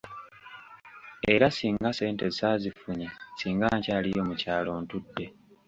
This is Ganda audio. Era singa ssente saazifunye singa nkyaliyo mu kyalo ntudde.